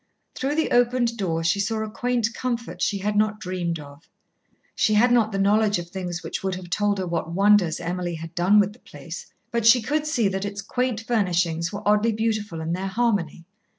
Through the opened door she saw a quaint comfort she had not dreamed of. She had not the knowledge of things which would have told her what wonders Emily had done with the place, but she could see that its quaint furnishings were oddly beautiful in their harmony.